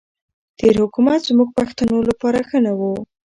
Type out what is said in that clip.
تېر حکومت زموږ پښتنو لپاره ښه نه وو.